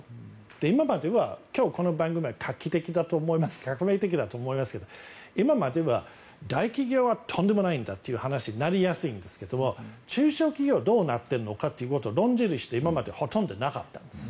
今までは今日この番組は画期的革命的だと思いますが今までは大企業はとんでもないんだという話になりやすいんですが中小企業どうなってるのかということを論じる人は今までほとんどいなかったんです。